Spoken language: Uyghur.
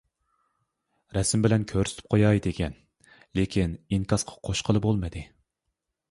رەسىم بىلەن كۆرسىتىپ قوياي دېگەن، لېكىن ئىنكاسقا قوشقىلى بولمىدى.